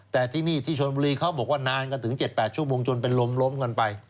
แต่ที่นี่ที่ชนบุรีเขาบอกว่านานกันถึง๗๘ชั่วโมงจนเป็นลมล้มกันไป